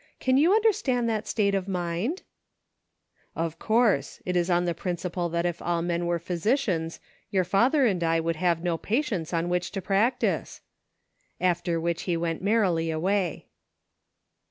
Can you understand that state of mind ?"" Of course ; it is on the principle that if all men were physicians, your father and I would have no patients on which to practise. '" After which he went merrily away.